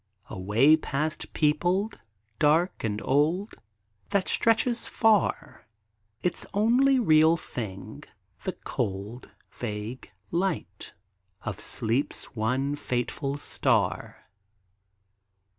A way past peopled, dark and old, That stretches far Its only real thing, the cold Vague light of sleep's one fitful star.